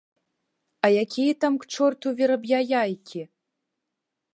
А якія там к чорту ў вераб'я яйкі!